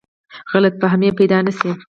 غلط فهمۍ پیدا نه شي.